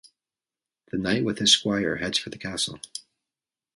The knight with his squire heads for his castle.